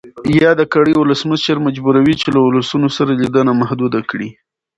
یاده کړۍ ولسمشر مجبوروي چې له ولسونو سره لیدنه محدوده کړي.